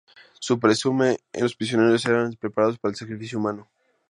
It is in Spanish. Se presume que los prisioneros eran preparados para el sacrificio humano.